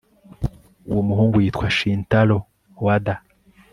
Uwo muhungu yitwa Shintaro Wada